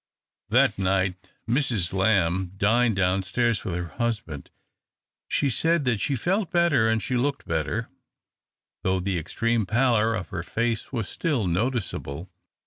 That night Mrs. Lamb dined downstairs with her husband. She said that she felt better and she looked better, though the extreme pallor of her face was still noticeable.